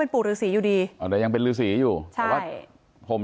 เป็นปลูกฤษีอยู่ดีอ่ะแต่ยังเป็นฤษีอยู่ใช่ผม